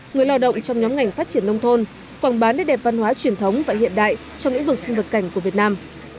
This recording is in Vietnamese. người lao động trong nhóm ngành phát triển nông thôn quảng bá nét đẹp văn hóa truyền thống và hiện đại trong lĩnh vực sinh vật cảnh của việt nam